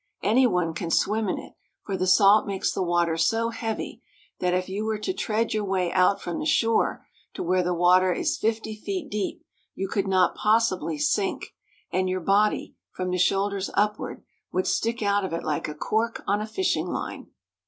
Any one can swim in it ; for the salt makes the water so heavy that, if you were to tread your way out from the shore to where the water is fifty feet deep, you could not possibly sink, and your body, from the shoulders upward, would stick out of it like a cork on a fishing line.